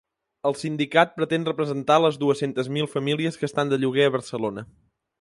El sindicat pretén representar les dues-centes mil famílies que estan de lloguer a Barcelona.